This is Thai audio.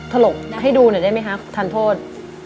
ถลกให้ดูหน่อยได้ไหมคะทานโทษ